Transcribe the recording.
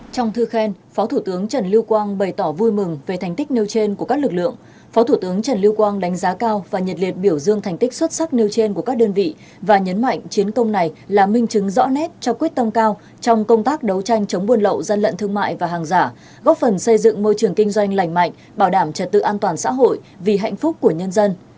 trong thư khen phó thủ tướng trần lưu quang bày tỏ vui mừng về thành tích nêu trên của các lực lượng phó thủ tướng trần lưu quang đánh giá cao và nhật liệt biểu dương thành tích xuất sắc nêu trên của các đơn vị và nhấn mạnh chiến công này là minh chứng rõ nét cho quyết tâm cao trong công tác đấu tranh chống buôn lậu dân lận thương mại và hàng giả góp phần xây dựng môi trường kinh doanh lành mạnh bảo đảm trật tự an toàn xã hội vì hạnh phúc của nhân dân